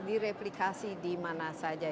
direplikasi dimana saja